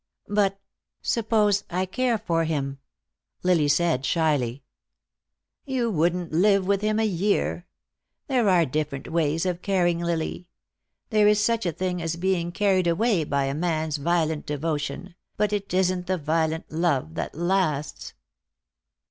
"But suppose I care for him?" Lily said, shyly. "You wouldn't live with him a year. There are different ways of caring, Lily. There is such a thing as being carried away by a man's violent devotion, but it isn't the violent love that lasts."